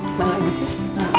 kemana lagi sih